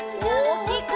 おおきく！